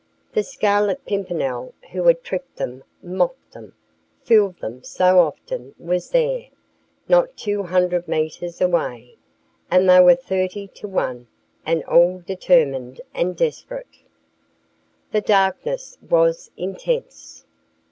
The Scarlet Pimpernel, who had tricked them, mocked them, fooled them so often, was there, not two hundred metres away; and they were thirty to one, and all determined and desperate. The darkness was intense.